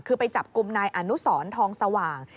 คือไปจับกลุ่มนายอนุสรทองสว่าง